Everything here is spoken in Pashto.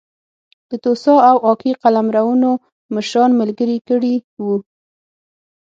د توسا او اکي قلمرونو مشران ملګري کړي وو.